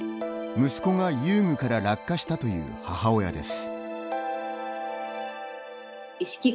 息子が遊具から落下したという母親です。